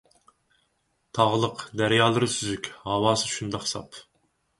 تاغلىق، دەريالىرى سۈزۈك، ھاۋاسى شۇنداق ساپ.